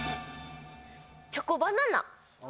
チョコバナナ